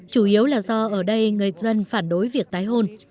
chủ yếu là do ở đây người dân phản đối việc tái hôn